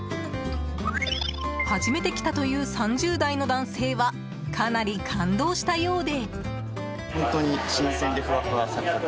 初めて来たという３０代の男性はかなり感動したようで。